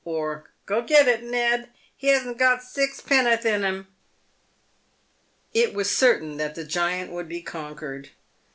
or, " Go it, Ned ! he hasn't got sixpenn'orth in him." It was certain that the giant would be conquered.